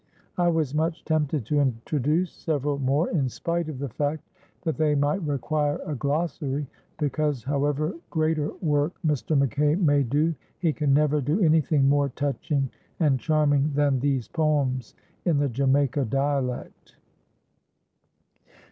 I was much tempted to introduce several more, in spite of the fact that they might require a glossary, because however greater work Mr. McKay may do he can never do anything more touching and charming than these poems in the Jamaica dialect.